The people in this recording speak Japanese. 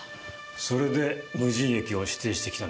それで無人駅を指定してきたんですね。